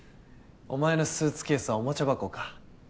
おまえのスーツケースはおもちゃ箱か。